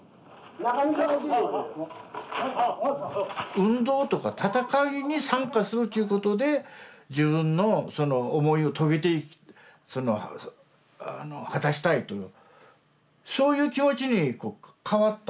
運動とか闘いに参加するっちゅうことで自分の思いを遂げて果たしたいというそういう気持ちに変わった。